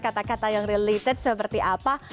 kata kata yang related seperti apa